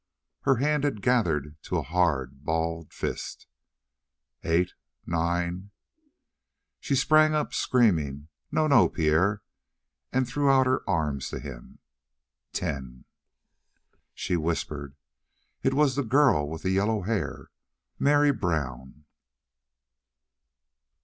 Her hand had gathered to a hard balled fist. "Eight nine " She sprang up, screaming: "No, no, Pierre!" And threw out her arms to him. "Ten." She whispered: "It was the girl with yellow hair Mary Brown."